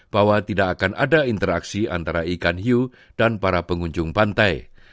bahwa tidak akan ada interaksi antara ikan hiu dan para pengunjung pantai